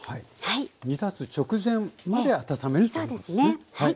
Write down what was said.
煮立つ直前まで温めるっていうことなんですね。